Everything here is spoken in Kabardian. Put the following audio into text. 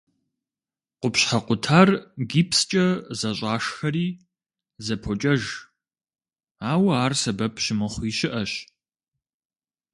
Къупщхьэ къутар гипскӏэ зэщӏашхэри зэпокӏэж, ауэ ар сэбэп щымыхъуи щыӏэщ.